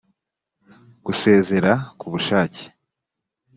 gusezera k ubushake